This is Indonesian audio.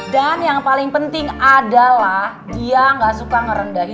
dan yang paling penting adalah dia gak suka ngerendahin